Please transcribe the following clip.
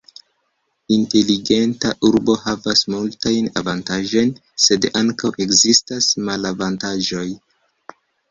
Inteligenta urbo havas multajn avantaĝojn, sed ankaŭ ekzistas malavantaĝoj.